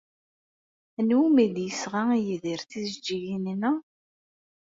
Anwa umi d-yesɣa Yidir tijeǧǧigin-a?